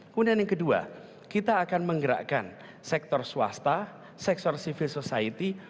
kemudian yang kedua kita akan menggerakkan sektor swasta sektor civil society